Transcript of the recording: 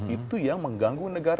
itu yang mengganggu negara